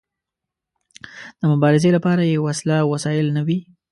د مبارزې لپاره يې وسله او وسايل نه وي.